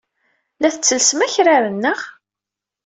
La tettellsem akraren, naɣ?